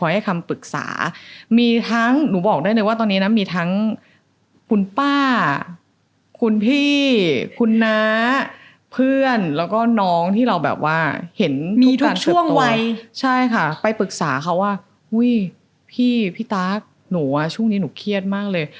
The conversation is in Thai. แล้วก็น้องที่เราแบบว่าเห็นมีทุกช่วงวัยใช่ค่ะไปปรึกษาเขาว่าอุ้ยพี่พี่ตั๊กหนูอ่ะช่วงนี้หนูเครียดมากเลย